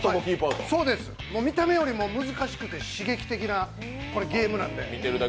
見た目よりも難しくて刺激的なゲームなんで。